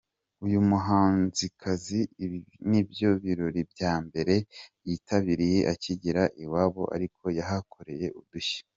Uyu muhanzikazi ,ibi nibyo birori bya mbere yitabiriye akigera iwabo ariko yahakoreye udushya.